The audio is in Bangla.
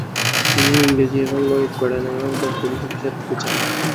তিনি ইংরেজি এবং গণিত পড়েন এবং একজন পুলিশ অফিসার হতে চান।